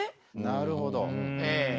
なるほど。